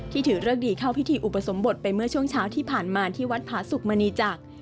ถือเลิกดีเข้าพิธีอุปสมบทไปเมื่อช่วงเช้าที่ผ่านมาที่วัดผาสุกมณีจักร